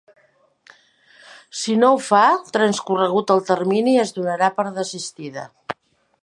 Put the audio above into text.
Si no ho fa, transcorregut el termini es donarà per desistida.